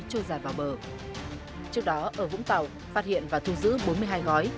trôi giả vào bờ trước đó ở vũng tàu phát hiện và thu giữ bốn mươi hai gói